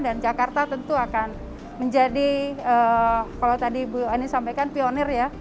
dan jakarta tentu akan menjadi kalau tadi bu ani sampaikan pionir ya